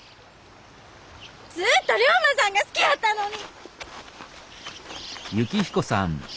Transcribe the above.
ずっと龍馬さんが好きやったのに！